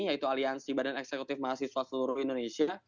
yaitu aliansi badan eksekutif mahasiswa seluruh indonesia